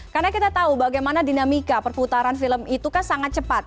karena kita tahu bagaimana dinamika perputaran film itu kan sangat cepat